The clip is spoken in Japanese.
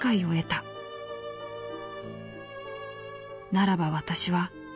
ならば私は。